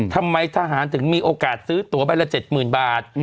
ทำไมทหารถึงมีโอกาสซื้อตัวใบละ๗๐๐บาท